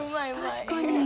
確かに。